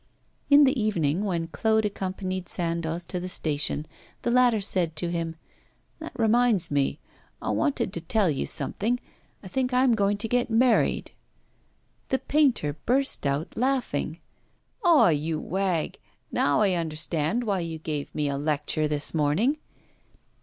In the evening, when Claude accompanied Sandoz to the station, the latter said to him: 'That reminds me, I wanted to tell you something. I think I am going to get married.' The painter burst out laughing. 'Ah, you wag, now I understand why you gave me a lecture this morning.